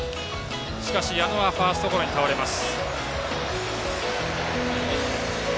しかし、矢野はファーストゴロに倒れます。